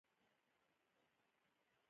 هغه د خپلې مفکورې بدلول نه غوښتل.